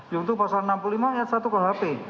yaitu pasal enam puluh lima ayat satu kuhp